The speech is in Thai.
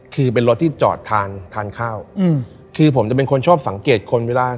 คือเป็นรถที่จอดทานทานข้าวอืมคือผมจะเป็นคนชอบสังเกตคนเวลา